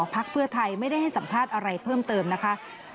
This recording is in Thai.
พักเพื่อไทยไม่ได้ให้สัมภาษณ์อะไรเพิ่มเติมนะคะ